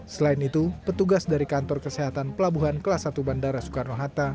selain itu petugas dari kantor kesehatan pelabuhan kelas satu bandara soekarno hatta